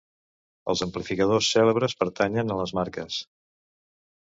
Els amplificadors cèlebres pertanyen a les marques.